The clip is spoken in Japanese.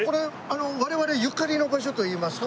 我々ゆかりの場所といいますか。